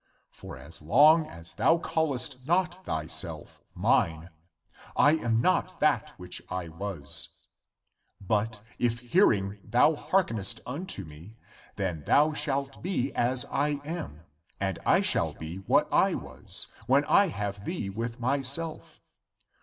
For as long as thou callest not thyself mine, I am not that which I was. But if hearing thou hearkenest unto me, then thou shalt be as I am, and I shall be what I was, when I have thee with myself.